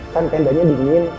kan tendanya di rumahnya